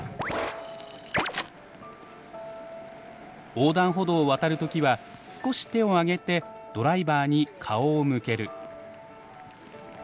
横断歩道を渡る時は少し手を上げてドライバーに顔を向ける。